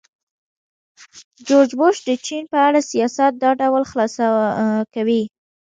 جورج بوش د چین په اړه سیاست دا ډول خلاصه کوي.